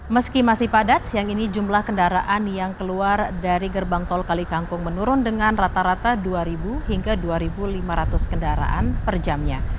meski masih padat siang ini jumlah kendaraan yang keluar dari gerbang tol kalikangkung menurun dengan rata rata dua hingga dua lima ratus kendaraan per jamnya